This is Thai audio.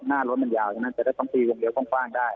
หน้ารถมันยาวจะต้องตีวงเลี้ยวข้างได้